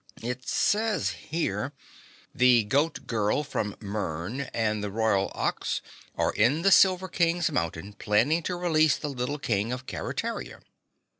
"It says here, 'The Goat Girl from Mern and the Royal Ox are in the Silver King's Mountain planning to release the little King of Keretaria.'